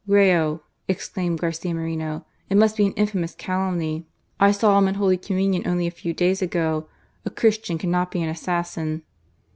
" Rayo !" exclaimed Garcia Moreno, " it must he an infamous calumny. I saw him at Holy Communion only a few days ago ; a Christian cannot be an assassin."